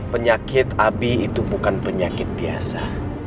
penyakit abi itu bukan penyakit biasa